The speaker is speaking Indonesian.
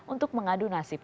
untuk mengadu nasib